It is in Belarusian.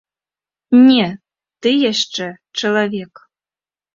Не, ты яшчэ чалавек!